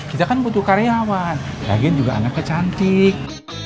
kita kan butuh karyawan ragen juga anaknya cantik